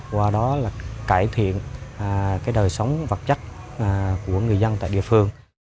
qua đó là cải thiện cái đời sống vật chất của người dân tại địa phương